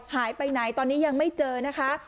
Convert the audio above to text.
หายไปไหนตอนนี้ยังไม่เจอนะคะ